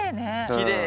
きれい。